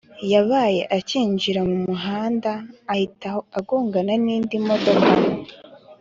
Yabaye akinjira mu muhanda ahita agongana n’indi modoka